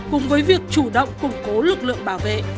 cùng với việc chủ động củng cố lực lượng bảo vệ